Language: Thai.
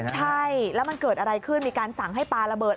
ใช่แล้วมันเกิดอะไรขึ้นมีการสั่งให้ปลาระเบิด